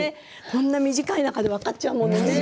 こんな短い中で分かっちゃうものね。